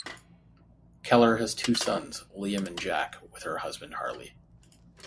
Keller has two sons, Liam and Jack, with her husband Harley.